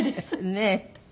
ねえ。